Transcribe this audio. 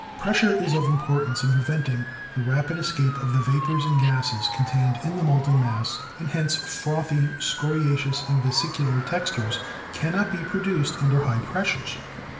Pressure is of importance in preventing the rapid es cape of the vapors and gases contained in the molten mass, and hence frothy, scoriaceous and vesicular textures cannot be produced under high pressures.